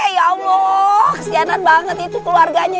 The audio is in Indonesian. ya allah setianan banget itu keluarganya